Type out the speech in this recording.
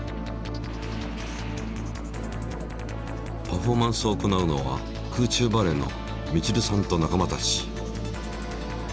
パフォーマンスを行うのは空中バレエのＭｉｃｈｉｒｕさんと仲間たち。